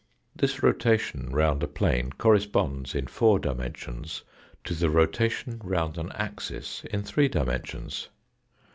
This rotation round a plane corresponds, in four dimensions, to the rotation round an axis in three dimensions.